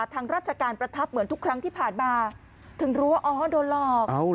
ทางราชการประทับเหมือนทุกครั้งที่ผ่านมาถึงรู้ว่าอ๋อโดนหลอก